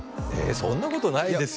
そんなことないですよ